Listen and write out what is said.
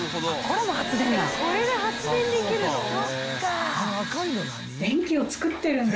これで発電できるの？